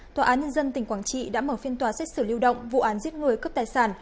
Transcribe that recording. tòa án nhân dân tỉnh quảng trị đã mở phiên tòa xét xử lưu động vụ án giết người cướp tài sản